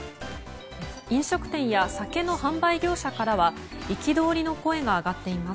飲食店や酒の販売業者からは憤りの声が上がっています。